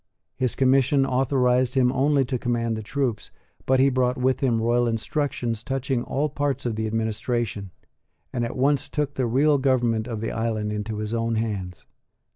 His commission authorised him only to command the troops, but he brought with him royal instructions touching all parts of the administration, and at once took the real government of the island into his own hands.